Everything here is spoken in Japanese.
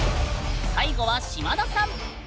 最後は島田さん！